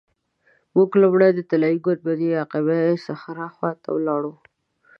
موږ لومړی د طلایي ګنبدې یا قبة الصخره خوا ته ولاړو.